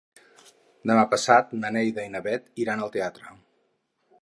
Demà passat na Neida i na Bet iran al teatre.